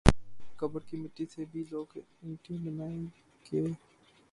میری قبر کی مٹی سے بھی لوگ اینٹیں بنائی گے ۔